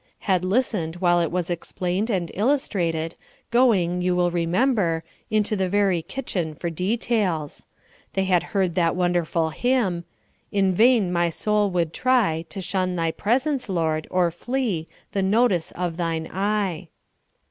Had listened while it was explained and illustrated, going, you will remember, into the very kitchen for details. They had heard that wonderful hymn: "In vain my soul would try To shun thy presence, Lord, or flee The notice of thine eye."